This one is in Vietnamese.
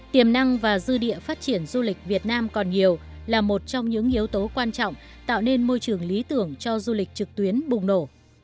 tiềm năng và dư địa phát triển du lịch việt nam còn nhiều là một trong những yếu tố quan trọng tạo nên môi trường lý tưởng cho du lịch trực tuyến bùng nổ